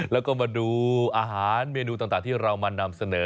แล้วก็มาดูอาหารเมนูต่างที่เรามานำเสนอ